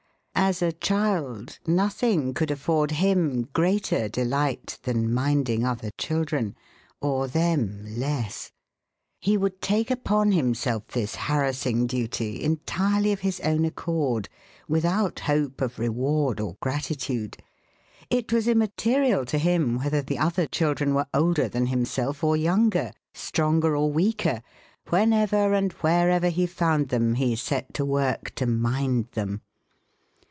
As a child nothing could afford him greater delight than "minding" other children, or them less. He would take upon himself this harassing duty entirely of his own accord, without hope of reward or gratitude. It was immaterial to him whether the other children were older than himself or younger, stronger or weaker, whenever and wherever he found them he set to work to "mind" them.